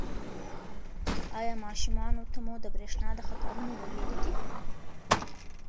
ایا ماشومانو ته مو د برېښنا د خطرونو ویلي دي؟